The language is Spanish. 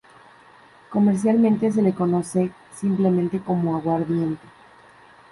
Comercialmente se le conoce simplemente como "aguardiente".